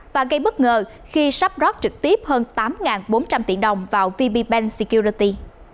và gây bất ngờ khi sắp rót trực tiếp hơn tám bốn trăm linh tỷ đồng vào vb bank security